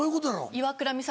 岩倉美里